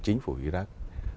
chính phủ iraq